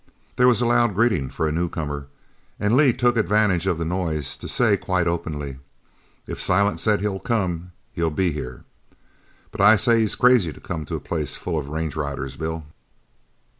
There was a loud greeting for a newcomer, and Lee took advantage of the noise to say quite openly: "If Silent said he'll come, he'll be here. But I say he's crazy to come to a place full of range riders, Bill."